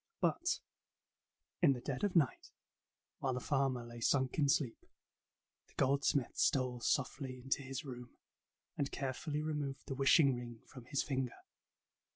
But in the dead of night, while the farmer lay sunk in sleep, the goldsmith stole softly into his room, and carefully removed the wishing ring from his finger.